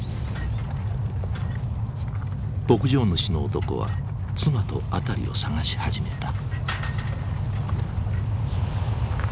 牧場主の男は妻と辺りを捜し始めた。